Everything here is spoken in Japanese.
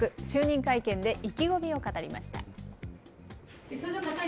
就任会見で意気込みを語りました。